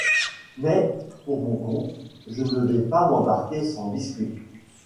Mais, pour mon compte, je ne vais pas m’embarquer sans biscuit !